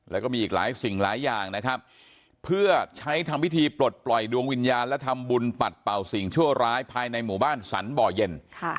แล้วก็มีอีกหลายสิ่งหลายอย่างนะครับเพื่อใช้ทำพิธีปลดปล่อยดวงวิญญาณและทำบุญปัดเป่าสิ่งชั่วร้ายภายในหมู่บ้านสรรบ่อเย็น